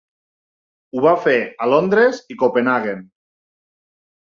Ho va fer a Londres i Copenhaguen.